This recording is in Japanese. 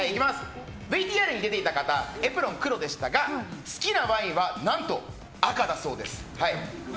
ＶＴＲに出ていた方エプロン、黒でしたが好きなワインは何と赤だそうです。